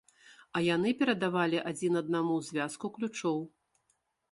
А яны перадавалі адзін аднаму звязку ключоў.